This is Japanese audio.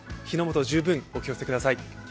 火の元、十分お気をつけください。